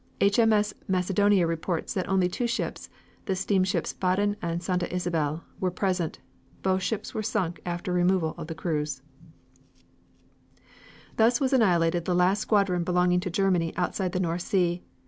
H.M.S. Macedonia reports that only two ships, the steamships Baden and Santa Isabel, were present. Both ships were sunk after removal of the crews." Thus was annihilated the last squadron belonging to Germany outside the North Sea.